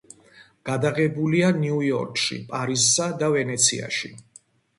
გადაღებულია ნიუ-იორკში, პარიზსა და ვენეციაში.